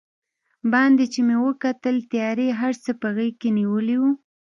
باندې چې مې وکتل، تیارې هر څه په غېږ کې نیولي و.